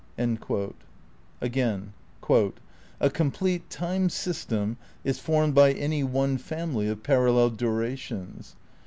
' Again : "A complete time system is formed by any one family of parallel durations.